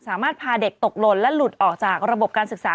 พาเด็กตกหล่นและหลุดออกจากระบบการศึกษา